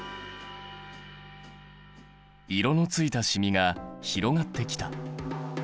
色のついた染みが広がってきた。